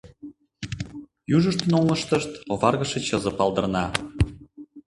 Южыштын оҥыштышт оваргыше чызе палдырна.